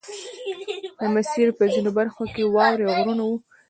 د مسیر په ځینو برخو کې واورې او غرونه وو